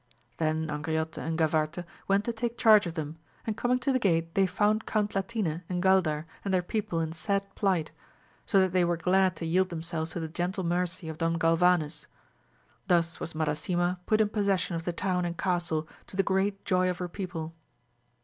Then Angriote and Gavarte went to take charge of them, and coming to the gate they found Count Latine and Gaidar and their people in sad plight, so that they were glad to yield themselves to the gentle mercy of Don Galvanes. Thus was Mada sima put in possession of the town and castle to the great joy of her people.